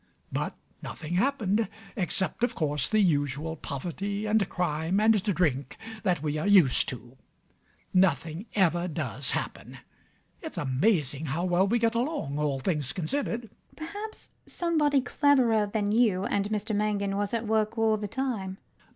But nothing happened, except, of course, the usual poverty and crime and drink that we are used to. Nothing ever does happen. It's amazing how well we get along, all things considered. LADY UTTERWORD. Perhaps somebody cleverer than you and Mr Mangan was at work all the time.